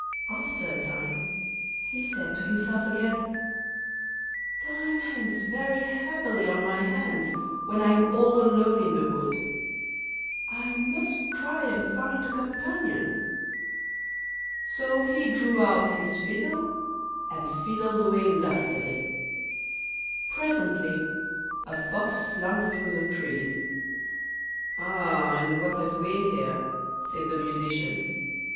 After a time he said to himself again: 'Time hangs very heavily on my hands when I'm all alone in the wood; I must try and find a companion.' So he drew out his fiddle, and fiddled away lustily. Presently a fox slunk through the trees. 'Aha! what have we here?' said the Musician.